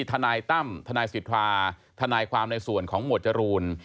ทนายตั้มทนายสิทธาทนายความในส่วนของหมวดจรูน